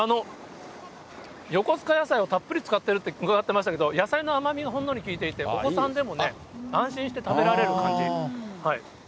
横須賀野菜をたっぷり使ってるって伺ってましたけど、野菜の甘みがほんのり効いていて、お子さんでもね、安心して食べられる感じ。